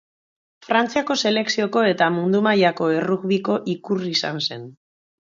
Frantziako selekzioko eta mundu mailako errugbiko ikur izan zen.